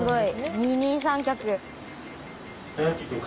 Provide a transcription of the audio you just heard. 二人三脚。